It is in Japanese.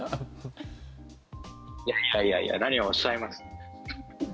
いやいやいや何をおっしゃいます。